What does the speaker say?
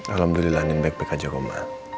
alhamdulillah andin baik baik aja kok ma